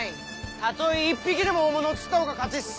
たとえ１匹でも大物を釣ったほうが勝ちっす。